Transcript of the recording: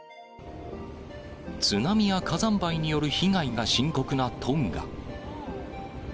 津波や火山灰による被害が深刻なトンガ。